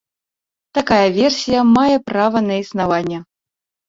Такая версія мае права на існаванне.